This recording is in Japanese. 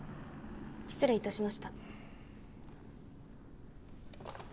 失礼致しました。